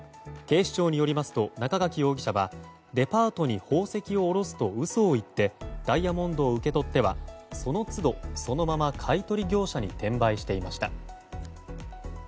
警視庁によりますと中垣容疑者はデパートに宝石を卸すと嘘を言ってダイヤモンドを受け取ってはその都度そのまま買い取り業者に転売していました。